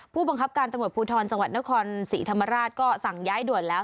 ผู้บังคับการตำรวจภูทรจังหวัดนครศรีธรรมราชก็สั่งย้ายด่วนแล้ว